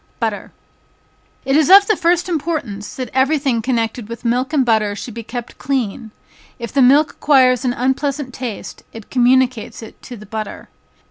Butter. It is of the first importance that every thing connected with milk and butter should be kept clean; if the milk acquires an unpleasant taste, it communicates it to the butter.